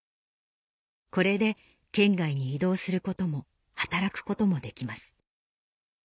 これで県外に移動することも働くこともできます